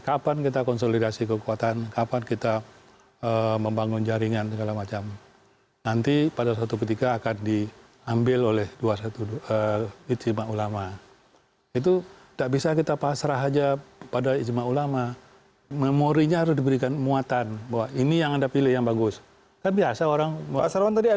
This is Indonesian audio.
tapi kita akan berbicara lagi selanjutnya dalam berikut